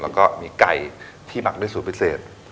แล้วก็มีไก่ที่หมักด้วยสูตรพิเศษ